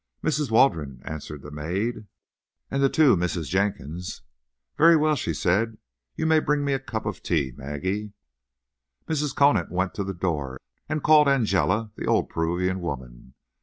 "Mrs. Waldron," answered the maid, "and the two Misses Jenkinson." "Very well," she said. "You may bring me a cup of tea, Maggie."_ Mrs. Conant went to the door and called Angela, the old Peruvian woman.